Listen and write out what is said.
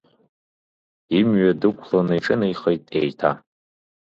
Имҩа дықәланы иҿынеихеит еиҭа.